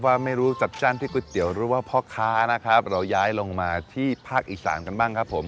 ว่าไม่รู้จัดจ้านที่ก๋วยเตี๋ยวหรือว่าพ่อค้านะครับเราย้ายลงมาที่ภาคอีสานกันบ้างครับผม